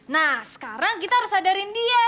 nah sekarang kita harus sadarin dia